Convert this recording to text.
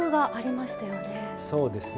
そうですね。